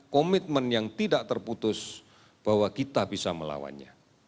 komitmen yang tidak terputus bahwa kita bisa melawannya